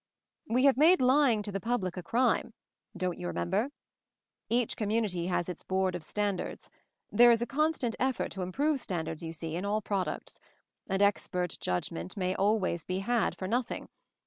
"We have made lying to the public ay crime — don't you remember? Each com munity has its Board of Standards; there is a constant effort to improve standards you x see, in all products; and expert judgment may always be had, for nothing.